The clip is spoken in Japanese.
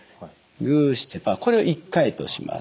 グーしてパーこれを１回とします。